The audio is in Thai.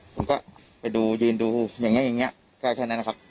ผมก็ไปดูยืนดูอย่างนี้อย่างนี้ก็แค่นั้นนะครับ